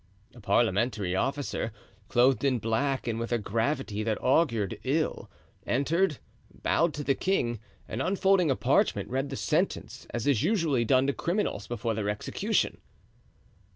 A parliamentary officer, clothed in black and with a gravity that augured ill, entered, bowed to the king, and unfolding a parchment, read the sentence, as is usually done to criminals before their execution.